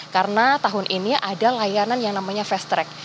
karena tahun ini ada layanan yang namanya fast track